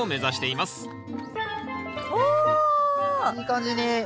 いい感じに。